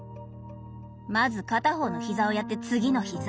まず片方の膝をやって次の膝。